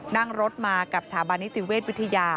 นั่งรถมากับสถาบันนิติเวชวิทยา